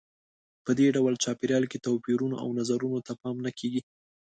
په دې ډول چاپېریال کې توپیرونو او نظرونو ته پام نه کیږي.